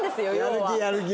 やる気やる気。